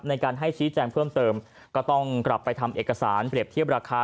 ในการให้ชี้แจงเพิ่มเติมก็ต้องกลับไปทำเอกสารเปรียบเทียบราคา